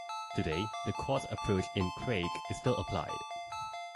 Today, the Court's approach in "Craig" is still applied.